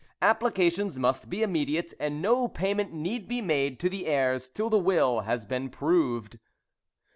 Applications must be immediate, and no payment need be made to the heirs till the will has been proved.